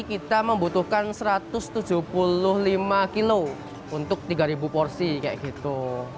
kita membutuhkan satu ratus tujuh puluh lima kilo untuk tiga porsi kayak gitu